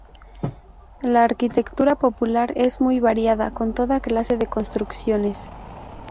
La arquitectura popular es muy variada, con toda clase de construcciones.